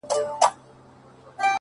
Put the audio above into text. زه له خپلي ډيري ميني ورته وايم-